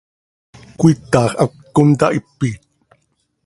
¿Cöiitax hac contahipit?